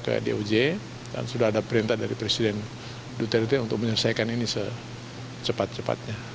kondisi hari ini adalah pak wiba ke doj dan sudah ada perintah dari presiden duterte untuk menyelesaikan ini secepat cepatnya